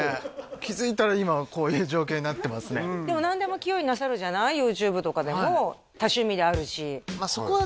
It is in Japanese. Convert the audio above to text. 気づいたら今こういう状況になってますねでも何でも器用になさるじゃないＹｏｕＴｕｂｅとかでも多趣味であるしそこはね